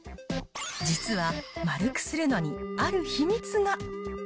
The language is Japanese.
実は、丸くするのにある秘密が。